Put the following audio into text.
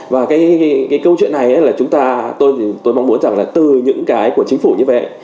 và cái câu chuyện này là chúng ta tôi mong muốn rằng là từ những cái của chính phủ như vậy